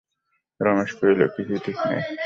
রমেশ কহিল, কিছুই ঠিক নাই।